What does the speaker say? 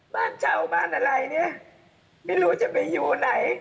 บ้านเช่าบ้านอะไรเนี่ยไม่รู้จะไปอยู่ไหน